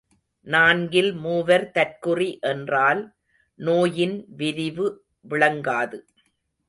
நான்கில் மூவர் தற்குறி என்றால், நோயின் விரிவு விளங்காது.